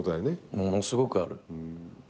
ものすごくある。